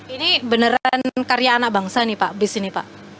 ini beneran karya anak bangsa nih pak bus ini pak